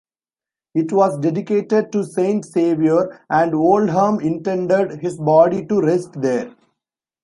It was dedicated to Saint Saviour, and Oldham intended his body to rest there.